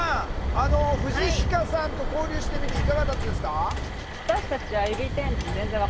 あの藤鹿さんと交流してみていかがだったですか？